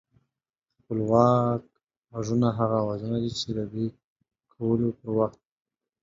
خپلواک غږونه هغه اوازونه دي چې د دوی کولو پر وخت